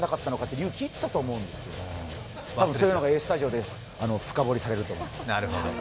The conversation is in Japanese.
そういうのが「Ａ−Ｓｔｕｄｉｏ＋」で深掘りされると思います。